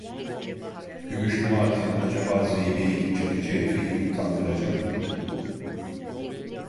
Gümüşlü martın, acaba zeybeği, Çakıcı Efe’yi utandıracak mıydı?